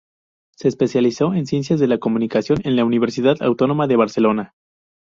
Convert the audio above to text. Se especializó en Ciencias de la Comunicación en la Universidad Autónoma de Barcelona.